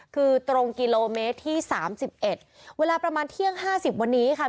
คือตรงกิโลเมตรที่สามสิบเอ็ดเวลาประมาณเที่ยงห้าสิบวันนี้ค่ะ